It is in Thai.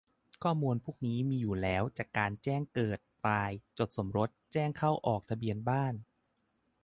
ข้อมูลพวกนี้มีอยู่แล้วจากการแจ้งเกิด-ตาย จดสมรส แจ้งเข้าออกทะเบียนบ้าน